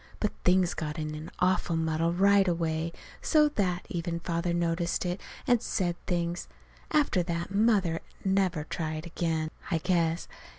But things got in an awful muddle right away, so that even Father noticed it and said things. After that Mother never tried again, I guess.